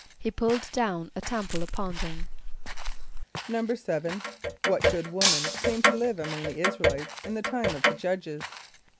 =He pulled down a temple upon them.= =7.= What good woman came to live among the [)I][s+]´ra el [=i]tes in the time of the Judges?